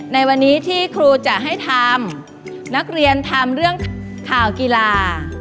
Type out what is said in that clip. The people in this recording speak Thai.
ในวันนี้ที่ครูจะให้ทำนักเรียนทำเรื่องข่าวกีฬา